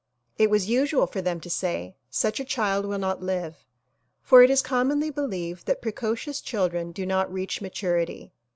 It was usual for them to say "Such a child will not live" for it is commonly believed that precocious children do not reach maturity.